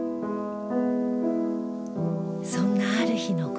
そんなある日の事